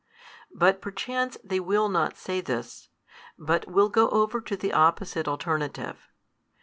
But perchance they will not say this; but will go over to the |251 opposite alternative.